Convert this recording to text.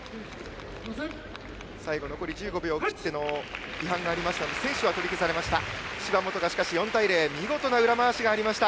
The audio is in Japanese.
最後、残り１５秒を切っての違反がありましたので先取は取り消されました。